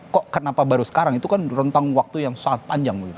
kok kenapa baru sekarang itu kan rentang waktu yang sangat panjang